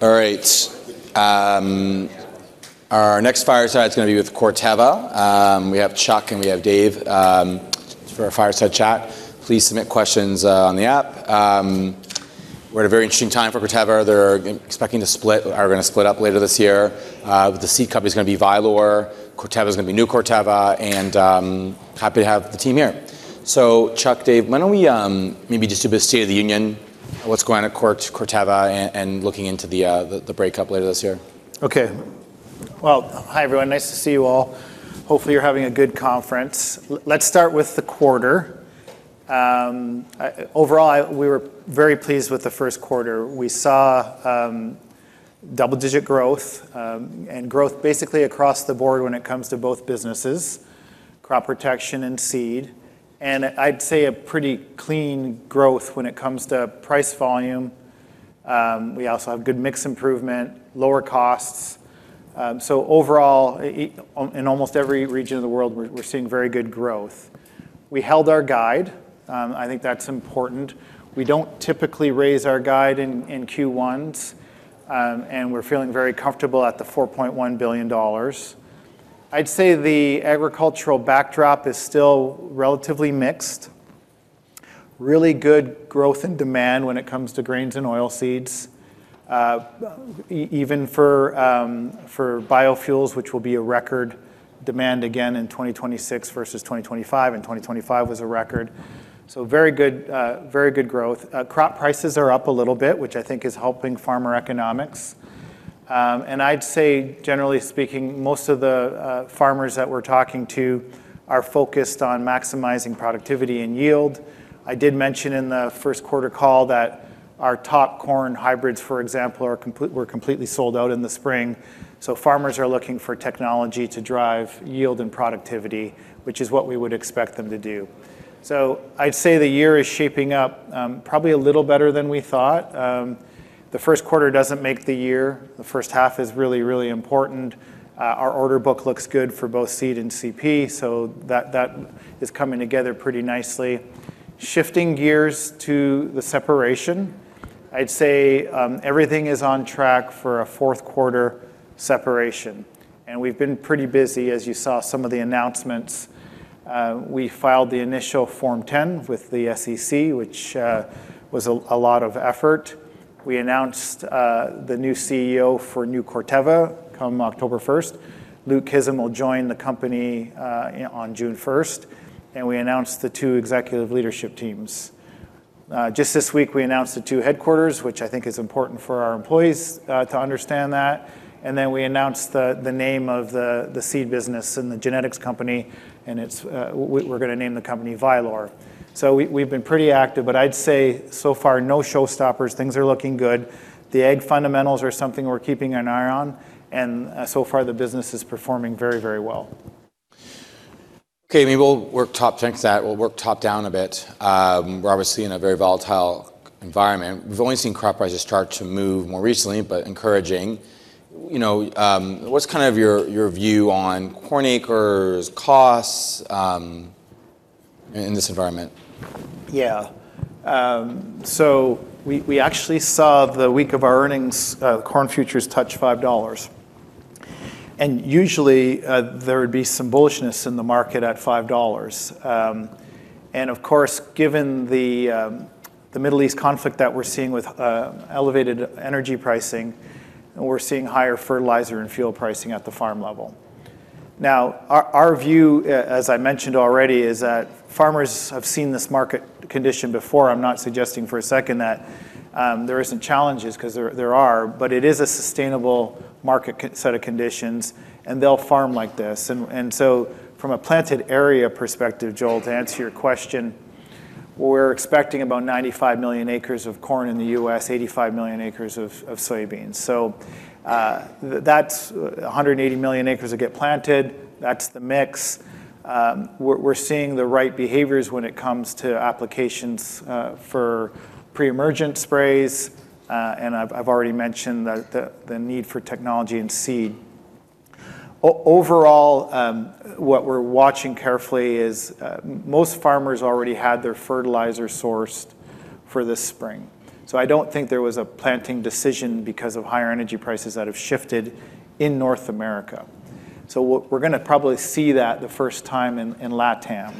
All right. Our next fireside is gonna be with Corteva. We have Chuck and we have Dave for our fireside chat. Please submit questions on the app. We're at a very interesting time for Corteva. They're expecting to split or are gonna split up later this year. The seed company's gonna be Vylor. Corteva's gonna be New Corteva and happy to have the team here. Chuck, Dave, why don't we maybe just do a bit of state of the union, what's going on at Corteva and looking into the the the break-up later this year? Okay. Well, hi, everyone. Nice to see you all. Hopefully, you're having a good conference. Let's start with the quarter. Overall, we were very pleased with the first quarter. We saw double-digit growth and growth basically across the board when it comes to both businesses, crop protection and seed. I'd say a pretty clean growth when it comes to price volume. We also have good mix improvement, lower costs. Overall, in almost every region of the world, we're seeing very good growth. We held our guide. I think that's important. We don't typically raise our guide in Q1s. We're feeling very comfortable at the $4.1 billion. I'd say the agricultural backdrop is still relatively mixed. Really good growth and demand when it comes to grains and oilseeds. Even for biofuels, which will be a record demand again in 2026 versus 2025, and 2025 was a record. Very good, very good growth. Crop prices are up a little bit, which I think is helping farmer economics. I'd say, generally speaking, most of the farmers that we're talking to are focused on maximizing productivity and yield. I did mention in the first quarter call that our top corn hybrids, for example, were completely sold out in the spring. Farmers are looking for technology to drive yield and productivity, which is what we would expect them to do. I'd say the year is shaping up, probably a little better than we thought. The first quarter doesn't make the year. The first half is really, really important. Our order book looks good for both seed and CP, so that is coming together pretty nicely. Shifting gears to the separation, I'd say everything is on track for a fourth quarter separation, and we've been pretty busy, as you saw some of the announcements. We filed the initial Form 10 with the SEC, which was a lot of effort. We announced the new CEO for New Corteva come October 1st. Luke Kissam will join the company on June 1st, and we announced the two executive leadership teams. Just this week, we announced the two headquarters, which I think is important for our employees to understand that. We announced the name of the seed business and the genetics company, and we're gonna name the company Vylor. We've been pretty active. I'd say so far, no showstoppers. Things are looking good. The ag fundamentals are something we're keeping an eye on. So far the business is performing very, very well. Okay, maybe we'll work thanks for that. We'll work top-down a bit. We're obviously in a very volatile environment. We've only seen crop prices start to move more recently, but encouraging. You know, what's kind of your view on corn acres, costs, in this environment? Yeah. We actually saw the week of our earnings, corn futures touch $5. Usually, there would be some bullishness in the market at $5. Of course, given the Middle East conflict that we're seeing with elevated energy pricing, and we're seeing higher fertilizer and fuel pricing at the farm level. Now, our view, as I mentioned already, is that farmers have seen this market condition before. I'm not suggesting for a second that there isn't challenges 'cause there are, but it is a sustainable market set of conditions and they'll farm like this. From a planted area perspective, Joel, to answer your question, we're expecting about 95 million acres of corn in the U.S., 85 million acres of soybeans. That's 180 million acres that get planted. That's the mix. We're seeing the right behaviors when it comes to applications for pre-emergent sprays. I've already mentioned the need for technology and seed. Overall, what we're watching carefully is most farmers already had their fertilizer sourced for this spring. I don't think there was a planting decision because of higher energy prices that have shifted in North America. What we're gonna probably see that the first time in LATAM.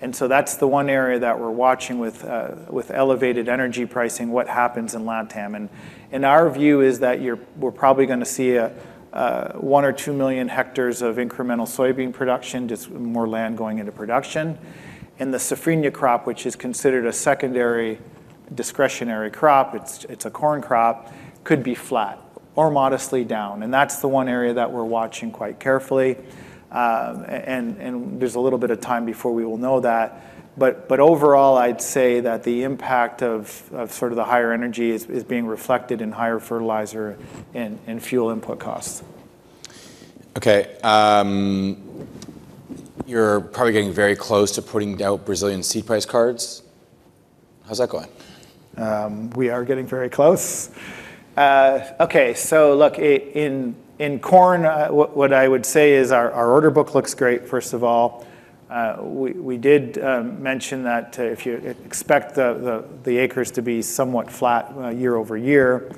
That's the one area that we're watching with elevated energy pricing, what happens in LATAM. Our view is that we're probably gonna see a 1 million or 2 million hectares of incremental soybean production, just more land going into production. In the safrinha crop, which is considered a secondary discretionary crop, it's a corn crop, could be flat or modestly down. That's the one area that we're watching quite carefully. There's a little bit of time before we will know that. Overall, I'd say that the impact of sort of the higher energy is being reflected in higher fertilizer and fuel input costs. Okay. You're probably getting very close to putting out Brazilian seed price cards. How's that going? We are getting very close. Okay, look, what I would say is our order book looks great, first of all. We did mention that if you expect the acres to be somewhat flat year-over-year.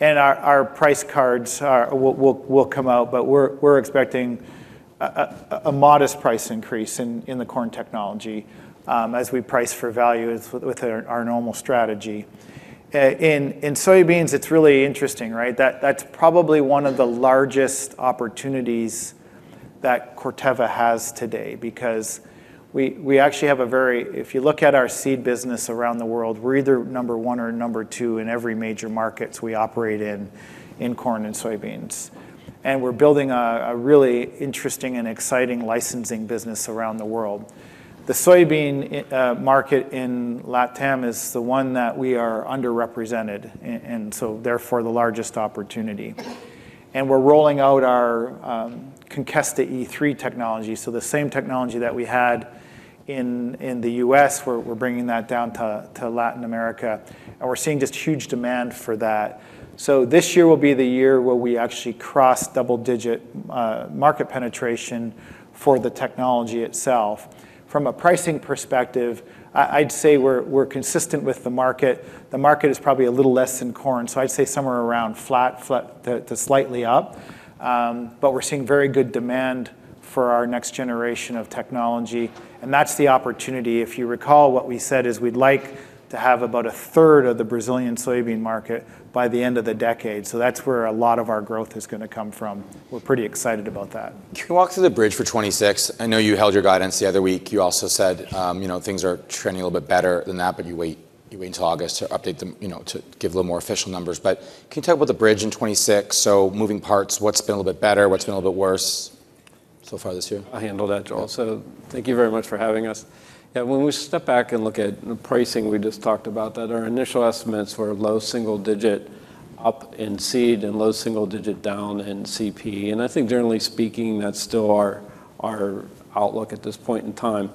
Our price cards will come out, but we're expecting a modest price increase in the corn technology as we price for value with our normal strategy. In soybeans it's really interesting, right? That's probably one of the largest opportunities that Corteva has today because we actually have If you look at our seed business around the world, we're either number one or number two in every major markets we operate in corn and soybeans. We're building a really interesting and exciting licensing business around the world. The soybean market in LATAM is the one that we are underrepresented and therefore the largest opportunity. We're rolling out our Conkesta E3 technology, so the same technology that we had in the U.S. we're bringing that down to Latin America, and we're seeing just huge demand for that. This year will be the year where we actually cross double digit market penetration for the technology itself. From a pricing perspective, I'd say we're consistent with the market. The market is probably a little less than corn, so I'd say somewhere around flat, to slightly up. We're seeing very good demand for our next generation of technology, and that's the opportunity. If you recall, what we said is we'd like to have about a third of the Brazilian soybean market by the end of the decade. That's where a lot of our growth is gonna come from. We're pretty excited about that. Can you walk through the bridge for 2026? I know you held your guidance the other week. You also said, you know, things are trending a little bit better than that. You wait until August to update the, you know, to give a little more official numbers. Can you talk about the bridge in 2026? Moving parts, what's been a little bit better, what's been a little bit worse so far this year? I'll handle that, Joel. Thank you very much for having us. Yeah, when we step back and look at the pricing we just talked about, that our initial estimates were low single-digit up in seed and low single-digit down in CP. I think generally speaking, that's still our outlook at this point in time.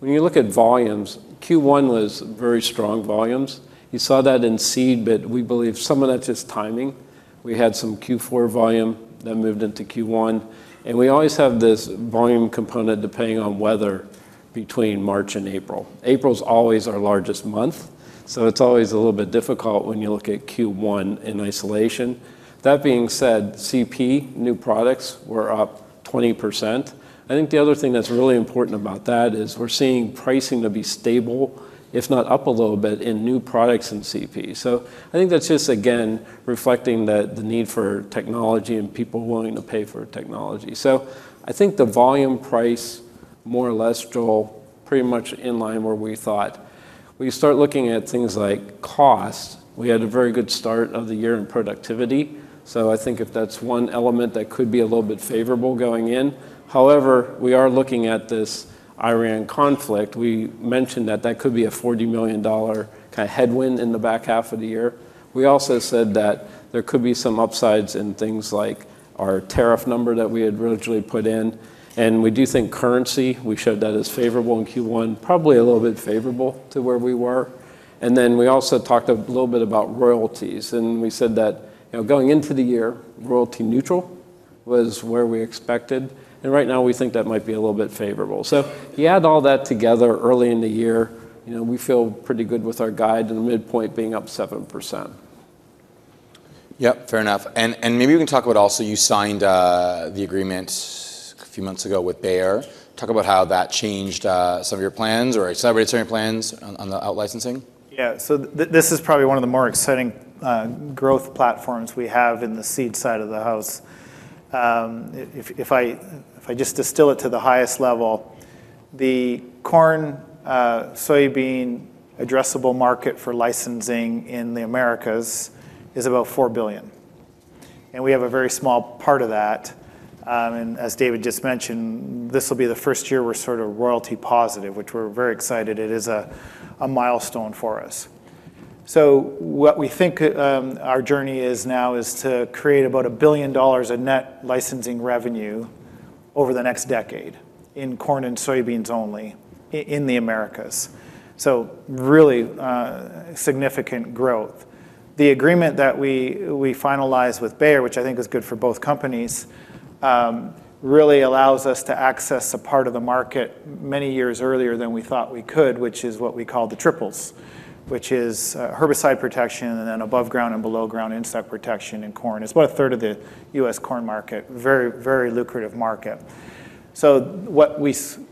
When you look at volumes, Q1 was very strong volumes. You saw that in seed, we believe some of that's just timing. We had some Q4 volume that moved into Q1, we always have this volume component depending on weather between March and April. April's always our largest month, it's always a little bit difficult when you look at Q1 in isolation. That being said, CP, new products, were up 20%. I think the other thing that's really important about that is we're seeing pricing to be stable, if not up a little bit in new products in CP. I think that's just, again, reflecting that the need for technology and people willing to pay for technology. I think the volume price more or less, Joel, pretty much in line where we thought. When you start looking at things like cost, we had a very good start of the year in productivity. I think if that's one element that could be a little bit favorable going in. However, we are looking at this Iran conflict. We mentioned that that could be a $40 million kind of headwind in the back half of the year. We also said that there could be some upsides in things like our tariff number that we had originally put in, and we do think currency, we showed that as favorable in Q1, probably a little bit favorable to where we were. We also talked a little bit about royalties, and we said that, you know, going into the year, royalty neutral was where we expected, and right now we think that might be a little bit favorable. You add all that together early in the year, you know, we feel pretty good with our guide and the midpoint being up 7%. Yep. Fair enough. Maybe we can talk about also, you signed the agreement a few months ago with Bayer. Talk about how that changed some of your plans or accelerated certain plans on the out-licensing. Yeah. This is probably one of the more exciting growth platforms we have in the seed side of the house. If I just distill it to the highest level, the corn soybean addressable market for licensing in the Americas is about $4 billion, and we have a very small part of that. And as David just mentioned, this will be the first year we're sort of royalty positive, which we're very excited. It is a milestone for us. What we think our journey is now is to create about $1 billion of net licensing revenue over the next decade in corn and soybeans only in the Americas. Really significant growth. The agreement that we finalized with Bayer, which I think is good for both companies, really allows us to access a part of the market many years earlier than we thought we could, which is what we call the triples, which is herbicide protection and above ground and below ground insect protection in corn. It's about a third of the U.S. corn market. Very, very lucrative market. The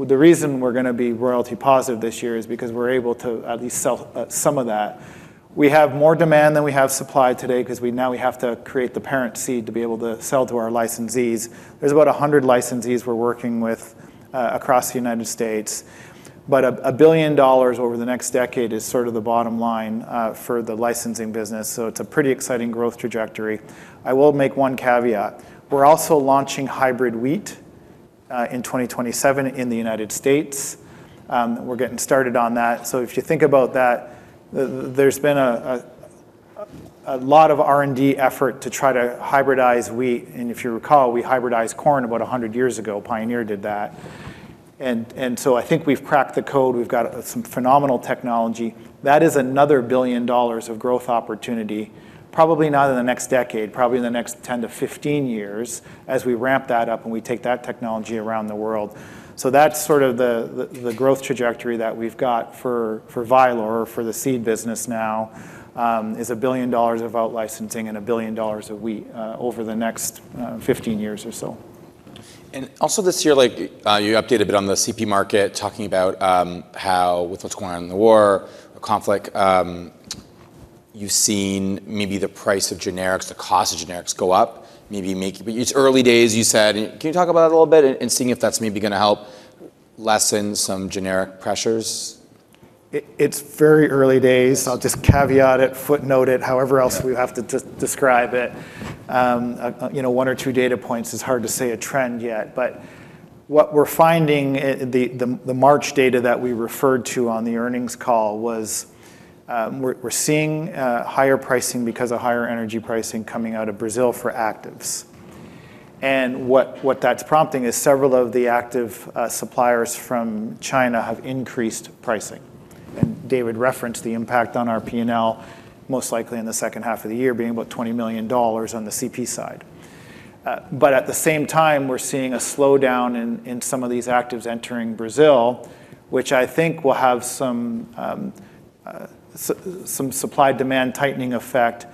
reason we're gonna be royalty positive this year is because we're able to at least sell some of that. We have more demand than we have supply today 'cause we now have to create the parent seed to be able to sell to our licensees. There's about 100 licensees we're working with across the U.S., but $1 billion over the next decade is sort of the bottom line for the licensing business, so it's a pretty exciting growth trajectory. I will make one caveat. We're also launching hybrid wheat in 2027 in the U.S. We're getting started on that. If you think about that, there's been a lot of R&D effort to try to hybridize wheat, and if you recall, we hybridized corn about 100 years ago. Pioneer did that. I think we've cracked the code. We've got some phenomenal technology. That is another $1 billion of growth opportunity, probably not in the next decade, probably in the next 10-15 years as we ramp that up and we take that technology around the world. That's sort of the, the growth trajectory that we've got for Vylor or for the seed business now, is $1 billion of out licensing and $1 billion of wheat, over the next, 15 years or so. Also this year, you updated a bit on the CP market, talking about how with what's going on in the war or conflict, you've seen maybe the price of generics, the cost of generics go up, but it's early days, you said. Can you talk about it a little bit in seeing if that's maybe going to help lessen some generic pressures? It's very early days. Yes. I'll just caveat it, footnote it, however else. Yeah. We have to describe it. You know, one or two data points, it's hard to say a trend yet. What we're finding, the March data that we referred to on the earnings call was, we're seeing higher pricing because of higher energy pricing coming out of Brazil for actives. What that's prompting is several of the active suppliers from China have increased pricing. David referenced the impact on our P&L most likely in the second half of the year being about $20 million on the CP side. At the same time, we're seeing a slowdown in some of these actives entering Brazil, which I think will have some supply demand tightening effect,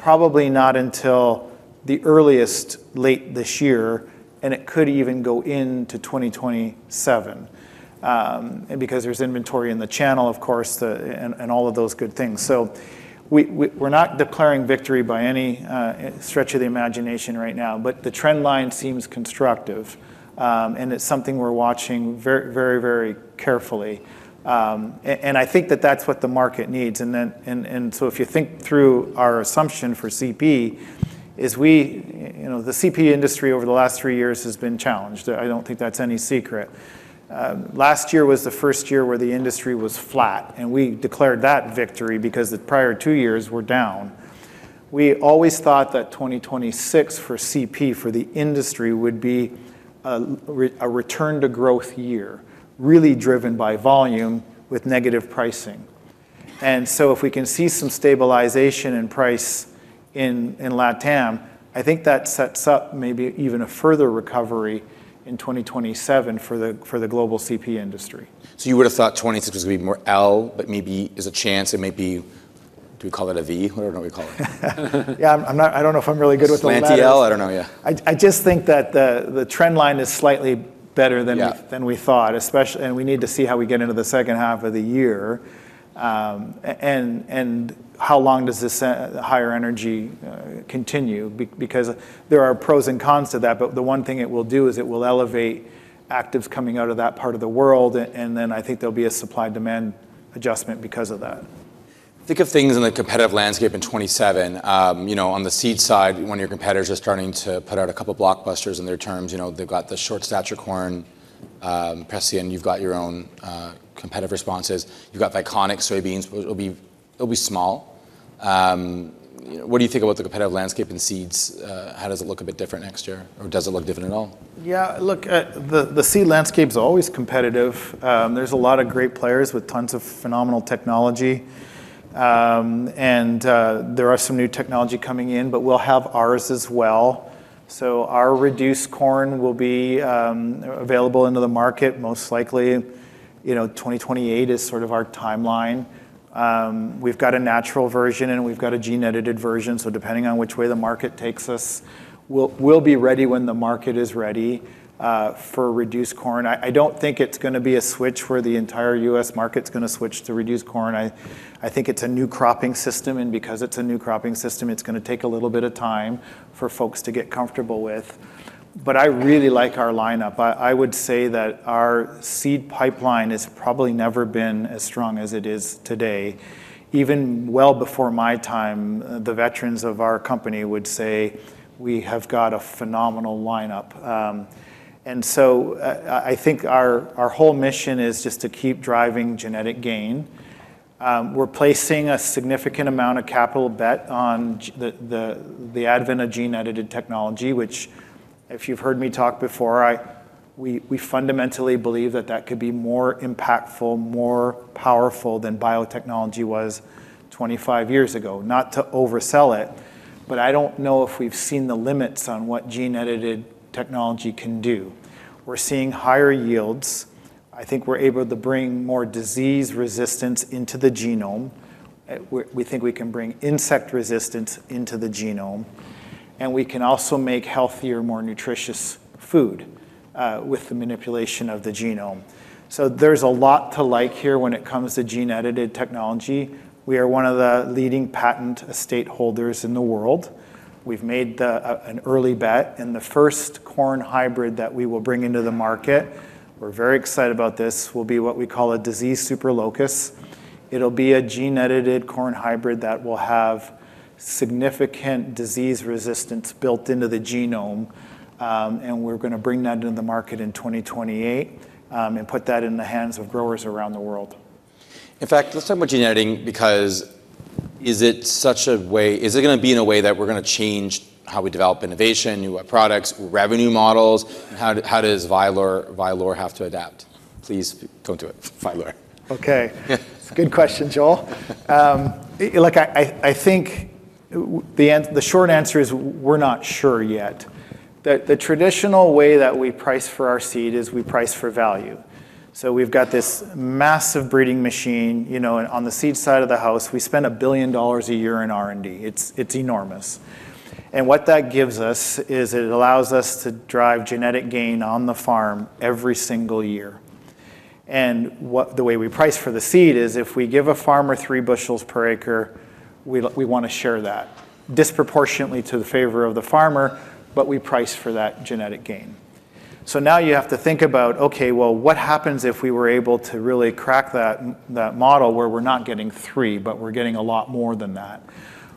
probably not until the earliest late this year, it could even go into 2027. Because there's inventory in the channel, of course, and all of those good things. We're not declaring victory by any stretch of the imagination right now. The trend line seems constructive. I think that that's what the market needs. If you think through our assumption for CP is we, you know, the CP industry over the last three years has been challenged. I don't think that's any secret. Last year was the first year where the industry was flat, and we declared that victory because the prior two years were down. We always thought that 2026 for CP for the industry would be a return to growth year, really driven by volume with negative pricing. If we can see some stabilization in price in LATAM, I think that sets up maybe even a further recovery in 2027 for the global CP industry. You would've thought 26 would be more L, but maybe there's a chance it may be, do we call it a V? Whatever we call it. Yeah. I don't know if I'm really good with the letters. Slant L. I don't know. Yeah. I just think that the trend line is slightly better than. Yeah. than we thought. We need to see how we get into the second half of the year. How long does this higher energy continue because there are pros and cons to that, but the one thing it will do is it will elevate actives coming out of that part of the world. I think there'll be a supply demand adjustment because of that. Think of things in the competitive landscape in 2027. You know, on the seed side, one of your competitors are starting to put out two blockbusters in their terms. You know, they've got the short stature corn, Preceon. You've got your own competitive responses. You've got the iconic soybeans. It'll be small. What do you think about the competitive landscape in seeds? How does it look a bit different next year, or does it look different at all? Yeah, look, the seed landscape's always competitive. There's a lot of great players with tons of phenomenal technology. There are some new technology coming in, but we'll have ours as well. Our reduced corn will be available into the market. Most likely, you know, 2028 is sort of our timeline. We've got a natural version, and we've got a gene-edited version. Depending on which way the market takes us, we'll be ready when the market is ready for reduced corn. I don't think it's gonna be a switch where the entire U.S. market's gonna switch to reduced corn. I think it's a new cropping system, and because it's a new cropping system, it's gonna take a little bit of time for folks to get comfortable with. I really like our lineup. I would say that our seed pipeline has probably never been as strong as it is today. Even well before my time, the veterans of our company would say we have got a phenomenal lineup. I think our whole mission is just to keep driving genetic gain. We're placing a significant amount of capital bet on the advent of gene-edited technology, which if you've heard me talk before, we fundamentally believe that that could be more impactful, more powerful than biotechnology was 25 years ago. Not to oversell it, I don't know if we've seen the limits on what gene-edited technology can do. We're seeing higher yields. I think we're able to bring more disease resistance into the genome. We think we can bring insect resistance into the genome. We can also make healthier, more nutritious food with the manipulation of the genome. There's a lot to like here when it comes to gene-edited technology. We are one of the leading patent estate holders in the world. We've made an early bet in the first corn hybrid that we will bring into the market. We're very excited about this. It will be what we call a disease super locus. It'll be a gene-edited corn hybrid that will have significant disease resistance built into the genome. We're gonna bring that into the market in 2028 and put that in the hands of growers around the world. In fact, let's talk about gene editing because is it such a way, is it gonna be in a way that we're gonna change how we develop innovation, new products, revenue models? How does Vylor have to adapt? Please don't do it, Vylor. Okay. Yeah. It's a good question, Joel. Look, I think the short answer is we're not sure yet. The traditional way that we price for our seed is we price for value. We've got this massive breeding machine, you know, on the seed side of the house. We spend $1 billion a year in R&D. It's enormous. What that gives us is it allows us to drive genetic gain on the farm every single year. The way we price for the seed is if we give a farmer three bushels per acre, we wanna share that. Disproportionately to the favor of the farmer, we price for that genetic gain. Now you have to think about, okay, well, what happens if we were able to really crack that model where we're not getting three, but we're getting a lot more than that?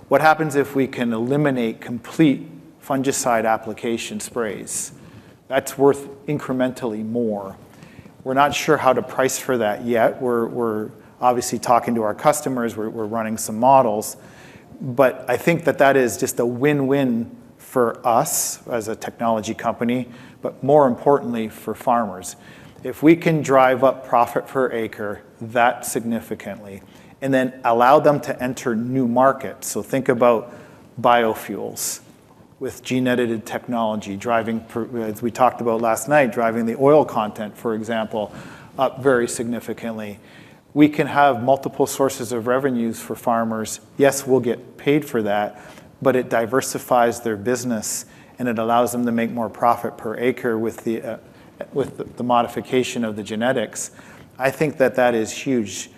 What happens if we can eliminate complete fungicide application sprays? That's worth incrementally more. We're not sure how to price for that yet. We're obviously talking to our customers. We're running some models. I think that that is just a win-win for us as a technology company, but more importantly for farmers. If we can drive up profit per acre that significantly and then allow them to enter new markets, so think about biofuels with gene-edited technology, driving as we talked about last night, driving the oil content, for example, up very significantly. We can have multiple sources of revenues for farmers. Yes, we'll get paid for that, but it diversifies their business, and it allows them to make more profit per acre with the modification of the genetics. I think that is huge.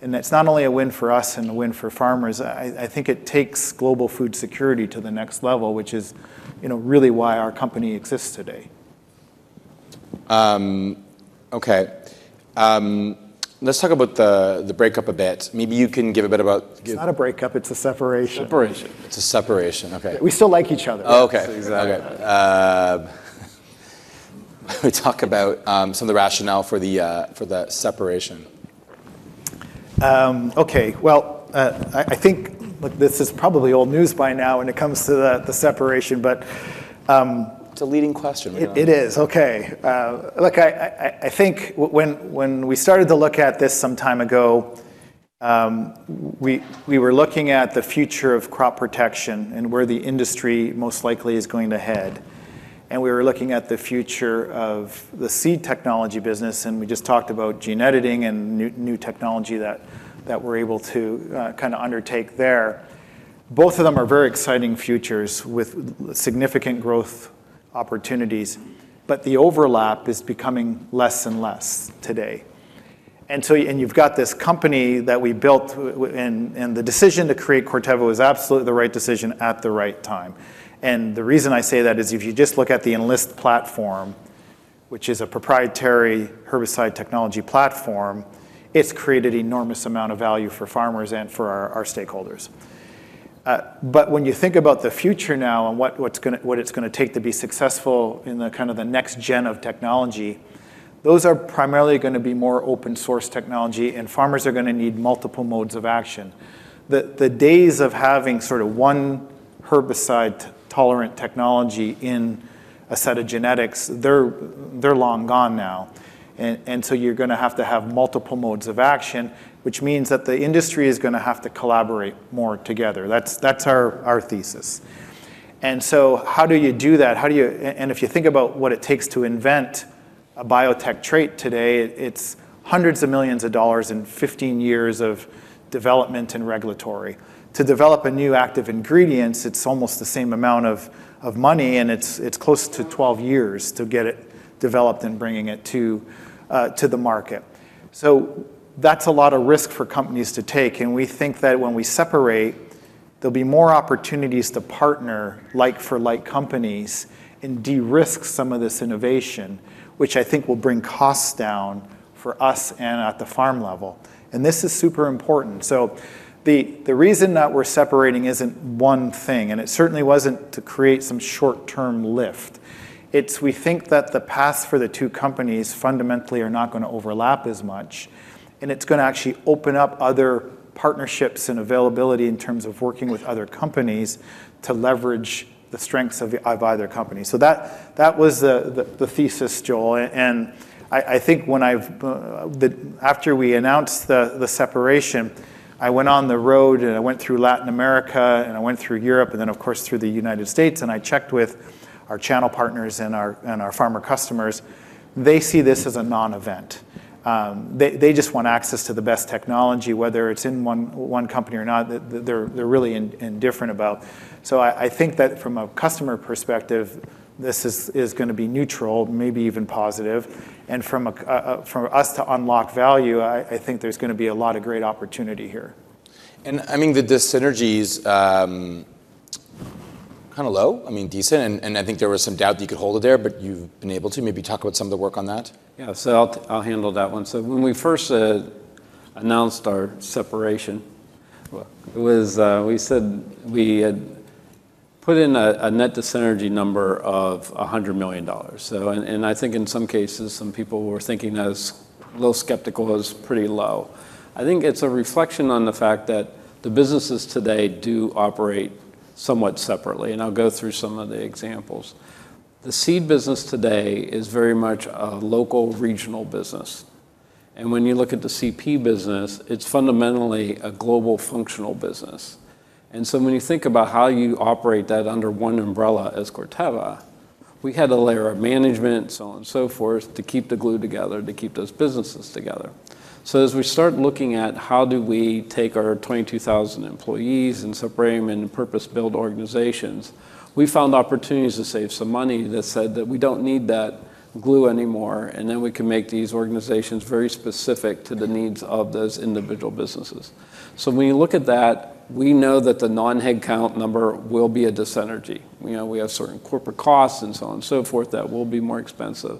It's not only a win for us and a win for farmers, I think it takes global food security to the next level, which is, you know, really why our company exists today. Okay. Let's talk about the breakup a bit. Maybe you can give a bit about. It's not a breakup, it's a separation. Separation. It's a separation, okay. We still like each other. Oh, okay. Exactly. Okay. Talk about some of the rationale for the separation. Okay. Well, I think, look, this is probably old news by now when it comes to the separation. It's a leading question, we know. it is. Okay. Look, I think when we started to look at this some time ago, we were looking at the future of crop protection and where the industry most likely is going to head. We were looking at the future of the seed technology business, and we just talked about gene editing and new technology that we're able to kinda undertake there. Both of them are very exciting futures with significant growth opportunities, but the overlap is becoming less and less today. You've got this company that we built and the decision to create Corteva was absolutely the right decision at the right time. The reason I say that is if you just look at the Enlist platform, which is a proprietary herbicide technology platform, it's created enormous amount of value for farmers and for our stakeholders. When you think about the future now and what it's gonna take to be successful in the kind of the next-gen of technology, those are primarily gonna be more open source technology, and farmers are gonna need multiple modes of action. The days of having sorta one herbicide-tolerant technology in a set of genetics, they're long gone now. You're gonna have to have multiple modes of action, which means that the industry is gonna have to collaborate more together. That's our thesis. How do you do that? If you think about what it takes to invent a biotech trait today, it's hundreds of millions and 15 years of development and regulatory. To develop a new active ingredients, it's almost the same amount of money, and it's close to 12 years to get it developed and bringing it to the market. That's a lot of risk for companies to take, and we think that when we separate, there'll be more opportunities to partner like for like companies and de-risk some of this innovation, which I think will bring costs down for us and at the farm level. This is super important. The reason that we're separating isn't one thing, and it certainly wasn't to create some short-term lift. We think that the paths for the two companies fundamentally are not gonna overlap as much, and it's gonna actually open up other partnerships and availability in terms of working with other companies to leverage the strengths of either company. That was the thesis, Joel. I think when after we announced the separation, I went on the road, and I went through Latin America, and I went through Europe, and then of course through the U.S., and I checked with our channel partners and our farmer customers. They see this as a non-event. They just want access to the best technology, whether it's in one company or not. They're really indifferent about. I think that from a customer perspective, this is gonna be neutral, maybe even positive. From us to unlock value, I think there's gonna be a lot of great opportunity here. I mean, the dis-synergy's, kinda low. I mean, decent, and I think there was some doubt that you could hold it there, but you've been able to. Maybe talk about some of the work on that. Yeah. I'll handle that one. When we first announced our separation, it was, we said we had put in a net dis-synergy number of $100 million. I think in some cases, some people were thinking that was a little skeptical. It was pretty low. I think it's a reflection on the fact that the businesses today do operate somewhat separately, and I'll go through some of the examples. The seed business today is very much a local, regional business. When you look at the CP business, it's fundamentally a global functional business. When you think about how you operate that under one umbrella as Corteva, we had a layer of management, so on and so forth, to keep the glue together, to keep those businesses together. As we start looking at how do we take our 22,000 employees and separate them into purpose-built organizations, we found opportunities to save some money that said that we don't need that glue anymore, and then we can make these organizations very specific to the needs of those individual businesses. When you look at that, we know that the non-headcount number will be a dis-synergy. You know, we have certain corporate costs and so on and so forth that will be more expensive.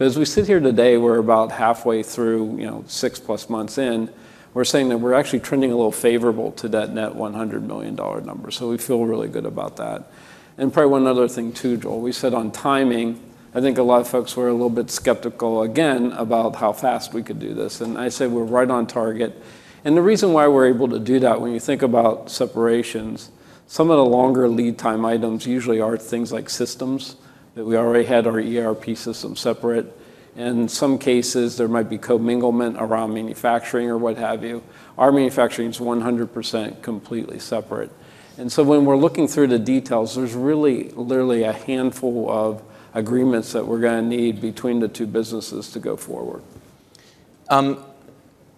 As we sit here today, we're about halfway through, you know, six-plus months in, we're saying that we're actually trending a little favorable to that net $100 million number. We feel really good about that. Probably one other thing too, Joel, we said on timing, I think a lot of folks were a little bit skeptical again about how fast we could do this, and I say we're right on target. The reason why we're able to do that, when you think about separations, some of the longer lead time items usually are things like systems, that we already had our ERP system separate. In some cases, there might be co-minglement around manufacturing or what have you. Our manufacturing's 100% completely separate. When we're looking through the details, there's really literally a handful of agreements that we're gonna need between the two businesses to go forward.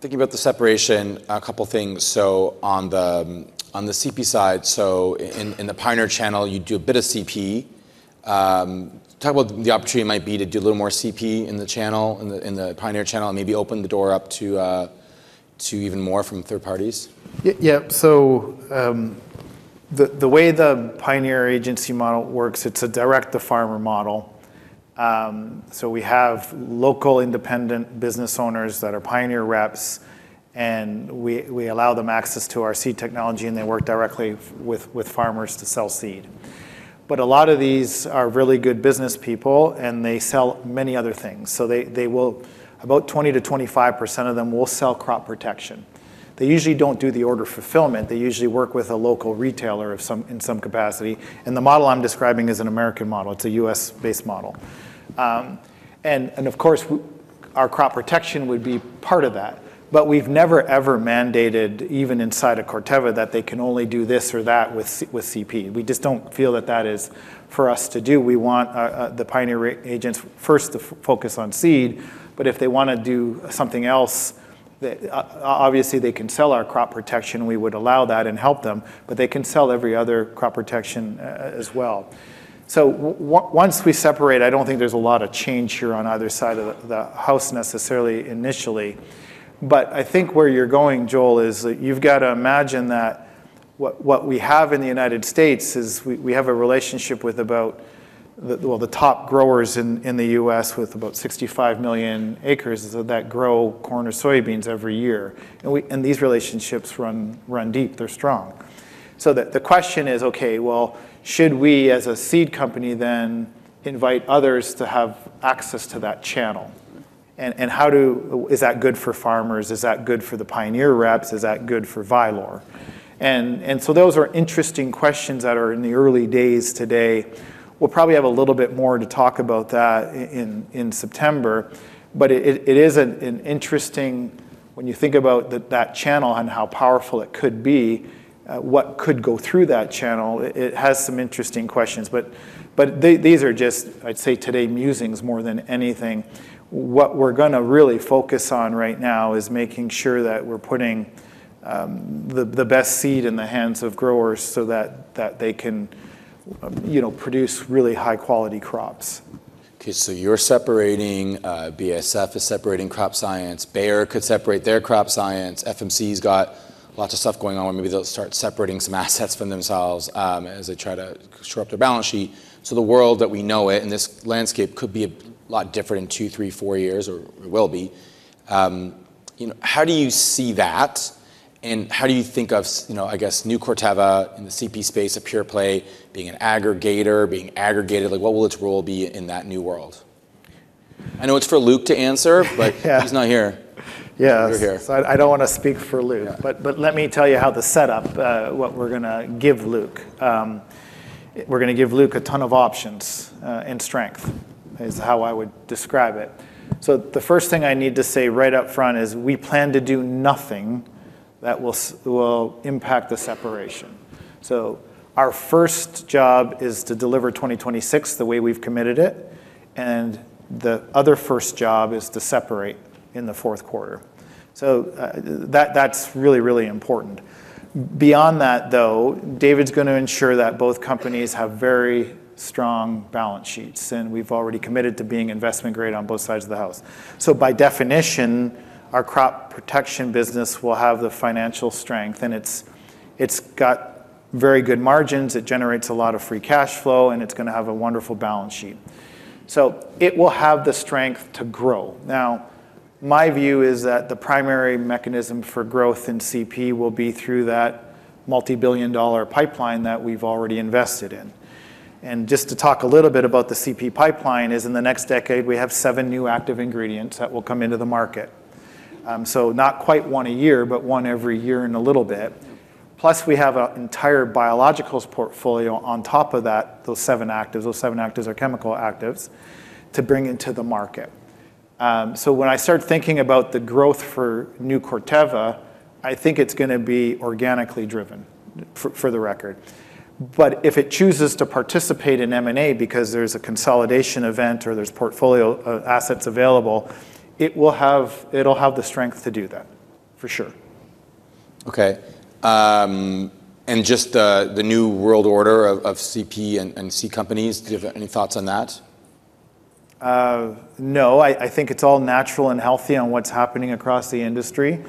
Thinking about the separation, a couple things. On the CP side, in the Pioneer channel, you do a bit of CP. Talk about the opportunity it might be to do a little more CP in the channel, in the Pioneer channel, and maybe open the door up to even more from third parties. Yep. The way the Pioneer agency model works, it's a direct-to-farmer model. We have local independent business owners that are Pioneer reps, and we allow them access to our seed technology, and they work directly with farmers to sell seed. A lot of these are really good business people, and they sell many other things. About 20%-25% of them will sell crop protection. They usually don't do the order fulfillment. They usually work with a local retailer in some capacity. The model I'm describing is an American model. It's a U.S.-based model. Of course our crop protection would be part of that. We've never, ever mandated, even inside of Corteva, that they can only do this or that with CP. We just don't feel that that is for us to do. We want the Pioneer agents first to focus on seed, but if they wanna do something else, they obviously they can sell our crop protection. We would allow that and help them. They can sell every other crop protection as well. Once we separate, I don't think there's a lot of change here on either side of the house necessarily initially. I think where you're going, Joel, is that you've gotta imagine that what we have in the U.S. is we have a relationship with about the, well, the top growers in the U.S. with about 65 million acres that grow corn or soybeans every year. These relationships run deep. They're strong. The question is, okay, well, should we as a seed company then invite others to have access to that channel? Is that good for farmers? Is that good for the Pioneer reps? Is that good for Vylor? Those are interesting questions that are in the early days today. We'll probably have a little bit more to talk about that in September, but it is an interesting when you think about that channel and how powerful it could be, what could go through that channel, it has some interesting questions. These are just, I'd say today, musings more than anything. What we're gonna really focus on right now is making sure that we're putting the best seed in the hands of growers so that they can, you know, produce really high-quality crops. You're separating, BASF is separating crop science. Bayer could separate their crop science. FMC's got lots of stuff going on, where maybe they'll start separating some assets from themselves, as they try to shore up their balance sheet. The world that we know it and this landscape could be a lot different in two, three, four years, or will be. You know, how do you see that? How do you think of you know, I guess New Corteva in the CP space, a pure-play, being an aggregator, being aggregated, like what will its role be in that new world? I know it's for Luke to answer. Yeah. He's not here. Yeah. You're here. I don't wanna speak for Luke. Yeah. Let me tell you how the setup, what we're gonna give Luke. We're gonna give Luke a ton of options and strength, is how I would describe it. The first thing I need to say right up front is we plan to do nothing that will impact the separation. Our first job is to deliver 2026 the way we've committed it, and the other first job is to separate in the fourth quarter. That's really important. Beyond that, though, David's gonna ensure that both companies have very strong balance sheets, and we've already committed to being investment grade on both sides of the house. By definition, our crop protection business will have the financial strength, and it's got very good margins, it generates a lot of free cash flow, and it's gonna have a wonderful balance sheet. It will have the strength to grow. Now, my view is that the primary mechanism for growth in CP will be through that multi-billion dollar pipeline that we've already invested in. Just to talk a little bit about the CP pipeline is in the next decade, we have seven new active ingredients that will come into the market. Not quite one a year, but one every year and a little bit. Plus, we have a entire biologicals portfolio on top of that, those seven actives are chemical actives, to bring into the market. When I start thinking about the growth for New Corteva. I think it's gonna be organically driven for the record. If it chooses to participate in M&A because there's a consolidation event or there's portfolio assets available, it'll have the strength to do that, for sure. Okay. Just the new world order of CP and seed companies. Do you have any thoughts on that? No. I think it's all natural and healthy on what's happening across the industry.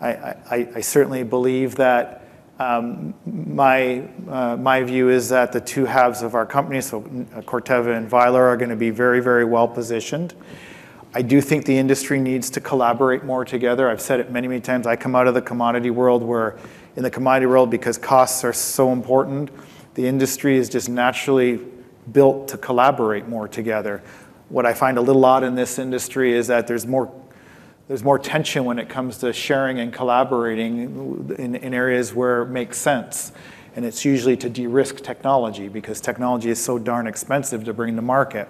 I certainly believe that my view is that the two halves of our company, so Corteva and Vylor are gonna be very, very well-positioned. I do think the industry needs to collaborate more together. I've said it many, many times. I come out of the commodity world, where in the commodity world because costs are so important, the industry is just naturally built to collaborate more together. What I find a little odd in this industry is that there's more tension when it comes to sharing and collaborating in areas where it makes sense, and it's usually to de-risk technology because technology is so darn expensive to bring to market.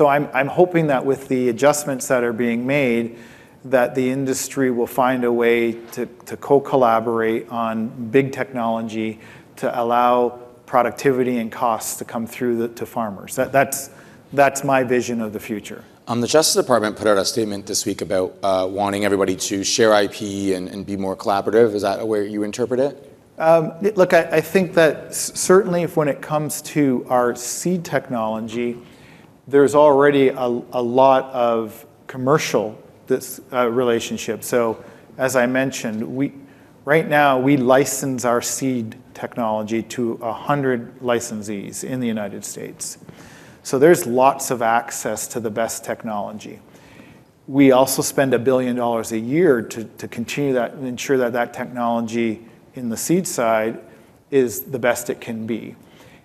I'm hoping that with the adjustments that are being made, that the industry will find a way to co-collaborate on big technology to allow productivity and costs to come through to farmers. That's my vision of the future. The Justice Department put out a statement this week about wanting everybody to share IP and be more collaborative. Is that the way you interpret it? Look, I think that certainly when it comes to our seed technology, there's already a lot of commercial relationship. As I mentioned, right now we license our seed technology to 100 licensees in the U.S. There's lots of access to the best technology. We also spend $1 billion a year to continue that and ensure that that technology in the seed side is the best it can be.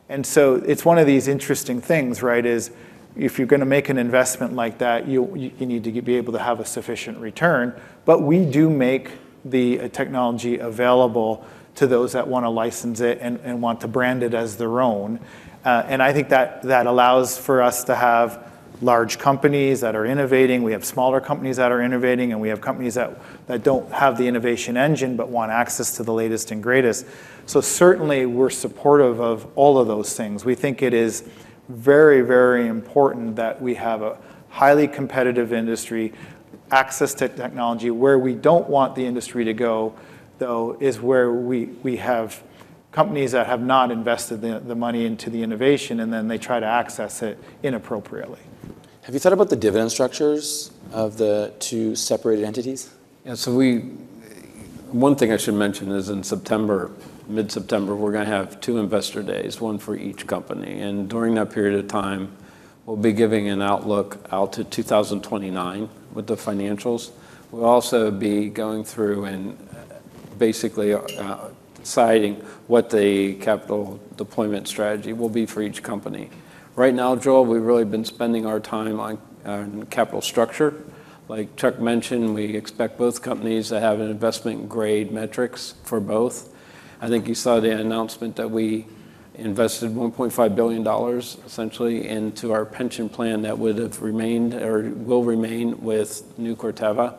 It's one of these interesting things, right? If you're gonna make an investment like that, you need to be able to have a sufficient return. We do make the technology available to those that wanna license it and want to brand it as their own. I think that allows for us to have large companies that are innovating. We have smaller companies that are innovating, and we have companies that don't have the innovation engine, but want access to the latest and greatest. Certainly we're supportive of all of those things. We think it is very, very important that we have a highly competitive industry, access to technology. Where we don't want the industry to go, though, is where we have companies that have not invested the money into the innovation, they try to access it inappropriately. Have you thought about the dividend structures of the two separated entities? Yeah. One thing I should mention is in September, mid-September, we're gonna have two investor days, one for each company. During that period of time, we'll be giving an outlook out to 2029 with the financials. We'll also be going through basically deciding what the capital deployment strategy will be for each company. Right now, Joel, we've really been spending our time on capital structure. Like Chuck mentioned, we expect both companies to have an investment-grade metrics for both. I think you saw the announcement that we invested $1.5 billion essentially into our pension plan that would have remained or will remain with New Corteva.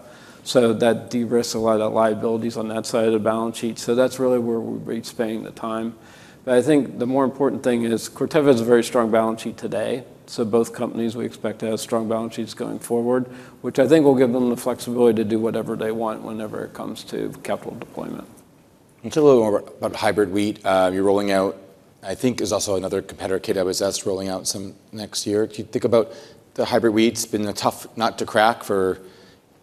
That de-risks a lot of liabilities on that side of the balance sheet. That's really where we've been spending the time. I think the more important thing is Corteva has a very strong balance sheet today. Both companies, we expect to have strong balance sheets going forward, which I think will give them the flexibility to do whatever they want whenever it comes to capital deployment. Talk a little more about hybrid wheat. You're rolling out, I think is also another competitor, KWS, rolling out some next year. Do you think about the hybrid wheat's been a tough nut to crack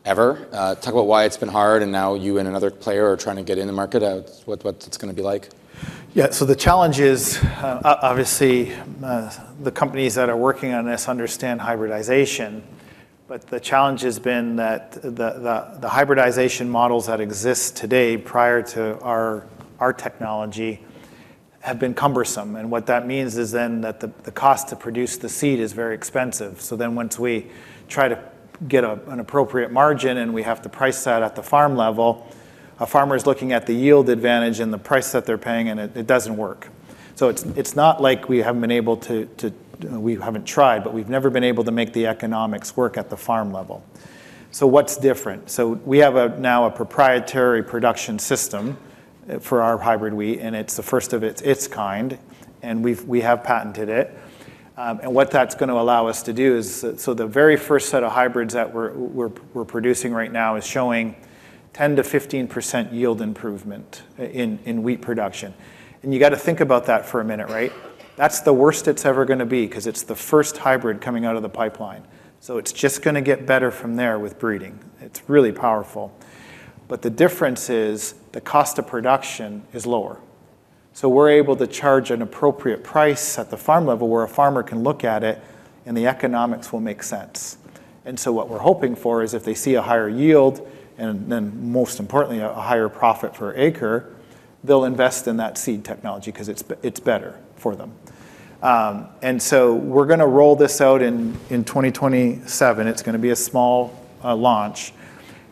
forever? Talk about why it's been hard and now you and another player are trying to get in the market. What it's gonna be like? The challenge is, obviously, the companies that are working on this understand hybridization. The challenge has been that the hybridization models that exist today prior to our technology have been cumbersome. What that means is that the cost to produce the seed is very expensive. Once we try to get an appropriate margin and we have to price that at the farm level, a farmer is looking at the yield advantage and the price that they're paying, and it doesn't work. It's not like we haven't been able to, we haven't tried, but we've never been able to make the economics work at the farm level. What's different? We have a now a proprietary production system for our hybrid wheat, and it's the first of its kind, and we have patented it. What that's gonna allow us to do is the very first set of hybrids that we're producing right now is showing 10%-15% yield improvement in wheat production. You gotta think about that for a minute, right? That's the worst it's ever gonna be 'cause it's the first hybrid coming out of the pipeline. It's just gonna get better from there with breeding. It's really powerful. The difference is the cost of production is lower. We're able to charge an appropriate price at the farm level where a farmer can look at it and the economics will make sense. What we're hoping for is if they see a higher yield and then most importantly, a higher profit per acre, they'll invest in that seed technology because it's better for them. We're going to roll this out in 2027. It's going to be a small launch,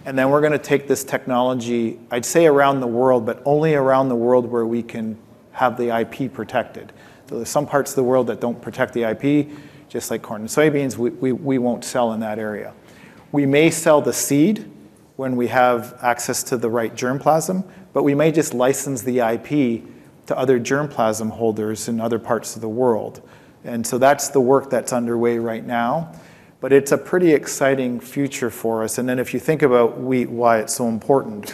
then we're going to take this technology, I'd say around the world, but only around the world where we have the IP protected. There are some parts of the world that don't protect the IP, just like corn and soybeans, we won't sell in that area. We may sell the seed when we have access to the right germplasm, but we may just license the IP to other germplasm holders in other parts of the world. That's the work that's underway right now, but it's a pretty exciting future for us. If you think about wheat, why it's so important.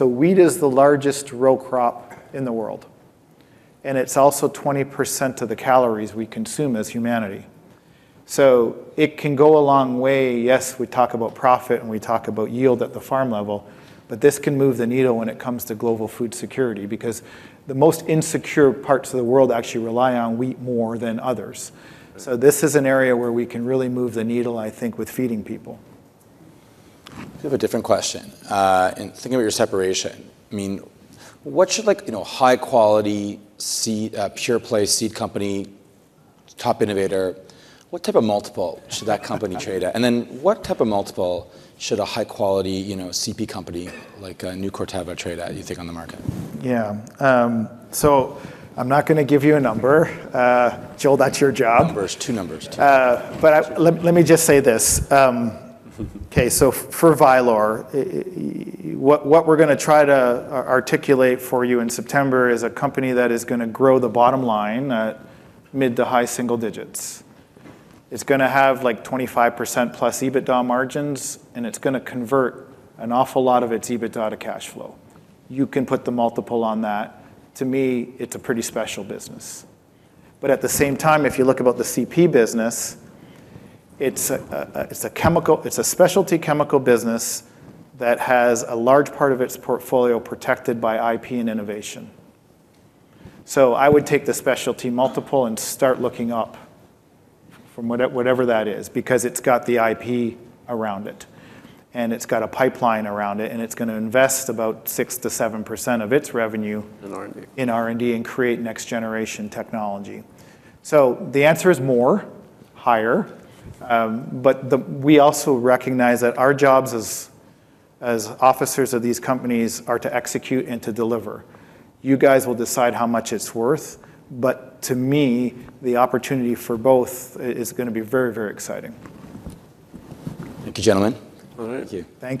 Wheat is the largest row crop in the world, and it's also 20% of the calories we consume as humanity. It can go a long way. Yes, we talk about profit and we talk about yield at the farm level, but this can move the needle when it comes to global food security because the most insecure parts of the world actually rely on wheat more than others. This is an area where we can really move the needle, I think, with feeding people. I have a different question. In thinking about your separation, I mean, what should you know, high quality seed, pure play seed company, top innovator, what type of multiple should that company trade at? What type of multiple should a high quality, you know, CP company like New Corteva trade at, you think, on the market? Yeah. I'm not gonna give you a number. Joel, that's your job. Numbers. Two numbers. I, let me just say this, okay, for Vylor, what we're gonna try to articulate for you in September is a company that is gonna grow the bottom line at mid to high single digits. It's gonna have like 25%+ EBITDA margins, and it's gonna convert an awful lot of its EBITDA to cash flow. You can put the multiple on that. To me, it's a pretty special business. At the same time, if you look about the CP business, it's a specialty chemical business that has a large part of its portfolio protected by IP and innovation. I would take the specialty multiple and start looking up from whatever that is, because it's got the IP around it, and it's got a pipeline around it, and it's gonna invest about 6%-7% of its revenue in R&D and create next generation technology. The answer is more, higher. We also recognize that our jobs as officers of these companies are to execute and to deliver. You guys will decide how much it's worth, but to me, the opportunity for both is gonna be very, very exciting. Thank you, gentlemen. All right. Thank you.